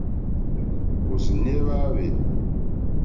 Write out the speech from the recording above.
Òrzìɲɛ́ hwá áhwè.